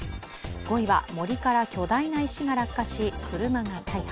５位は森から巨大な石が落下し車が大破。